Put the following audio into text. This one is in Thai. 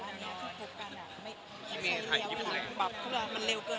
และขอแฉนอภารณา